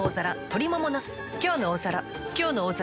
「きょうの大皿」